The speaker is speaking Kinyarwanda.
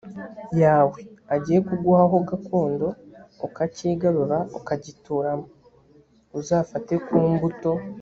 yawe agiye kuguha ho gakondo ukacyigarurira ukagituramo uzafate ku mbuto